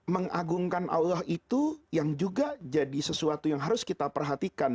mengagungkan allah itu yang juga jadi sesuatu yang harus kita perhatikan